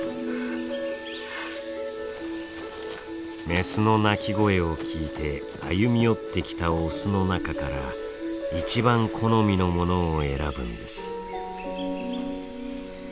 メスの鳴き声を聞いて歩み寄ってきたオスの中から一番好みのものを選ぶんです。